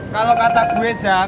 kalau kata gue jak